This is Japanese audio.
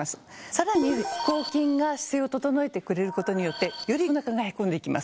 さらに腹横筋が姿勢を整えてくれることによってよりおなかがへこんでいきます。